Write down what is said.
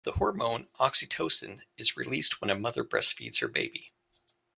The hormone oxytocin is released when a mother breastfeeds her baby.